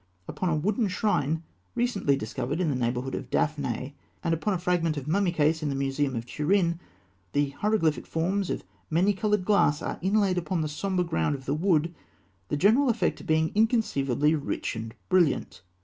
Upon a wooden shrine recently discovered in the neighbourhood of Daphnae, and upon a fragment of mummy case in the Museum of Turin, the hieroglyphic forms of many coloured glass are inlaid upon the sombre ground of the wood, the general effect being inconceivably rich and brilliant.